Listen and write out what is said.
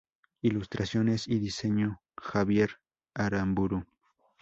Ilustraciones y diseño: Javier Aramburu.